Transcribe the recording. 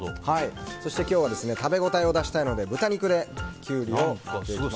そして今日は食べ応えを出したいので豚肉でキュウリを巻いていきます。